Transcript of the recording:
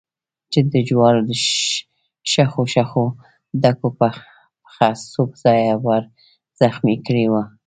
چې د جوارو شخو شخو ډکو پښه څو ځایه ور زخمي کړې وه.